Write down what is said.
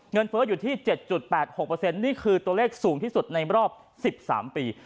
เฟ้ออยู่ที่๗๘๖นี่คือตัวเลขสูงที่สุดในรอบ๑๓ปี